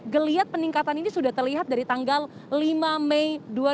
geliat peningkatan ini sudah terlihat dari tanggal lima mei dua ribu dua puluh